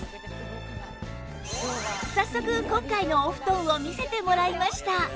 早速今回のお布団を見せてもらいました！